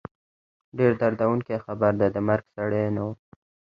ډېر دردوونکی خبر دی، د مرګ سړی نه وو